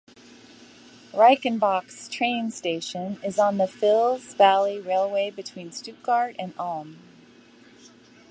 Reichenbach's train station is on the Fils Valley Railway between Stuttgart and Ulm.